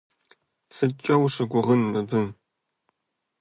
СыткӀэ ущыгугъын мыбы?